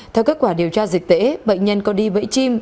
theo kết quả điều tra dịch tễ bệnh nhân có đi bẫy chim